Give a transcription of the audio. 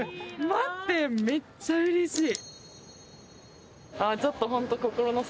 待って、めっちゃうれしい。